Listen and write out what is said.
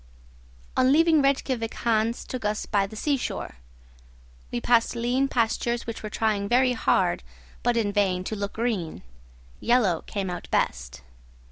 On leaving Rejkiavik Hans took us by the seashore. We passed lean pastures which were trying very hard, but in vain, to look green; yellow came out best.